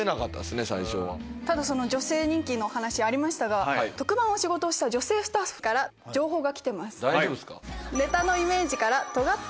その女性人気のお話ありましたが特番の仕事をした女性スタッフから情報が来てます。